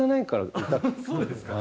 そうですか。